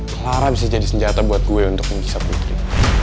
clara bisa jadi senjata buat gue untuk mengisap putri